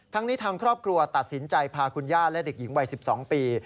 ทั้งนี้ทางครอบครัวตัดสินใจพาคุณย่าและเด็กหญิงวัย๑๒ปี